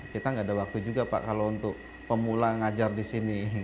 kita nggak ada waktu juga pak kalau untuk pemula ngajar di sini